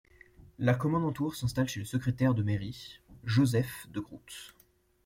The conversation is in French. La Kommandantur s’installe chez le secrétaire de mairie, Joseph Degroote.